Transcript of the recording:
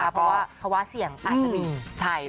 เพราะว่าเสี่ยงต้านจะมี